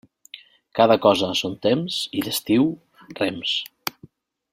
Cada cosa a son temps, i d'estiu rems.